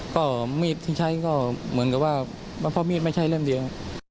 ก็มีดที่ใช้ก็เหมือนกับว่าเพราะมีดไม่ใช่เล่มเดียว